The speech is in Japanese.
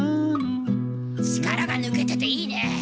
力が抜けてていいねえ。